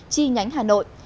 chi nhánh hà nội